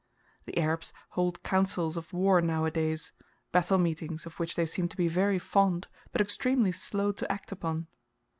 The Arabs hold councils of war now a days battle meetings, of which they seem to be very fond, but extremely slow to act upon.